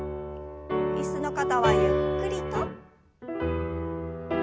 椅子の方はゆっくりと。